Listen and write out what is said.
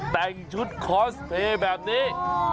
แต่งชุดคอสเพลย์แบบนี้